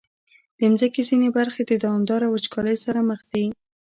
د مځکې ځینې برخې د دوامداره وچکالۍ سره مخ دي.